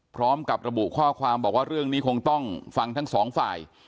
พร้อมกับระบุข้อความบอกว่าเรื่องนี้คงต้องฟังทั้งสองฝ่าย